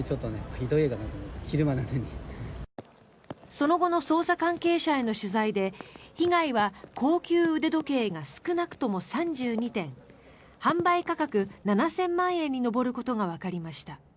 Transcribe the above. その後の捜査関係者への取材で被害は高級腕時計が少なくとも３２点販売価格７０００万円に上ることがわかりました。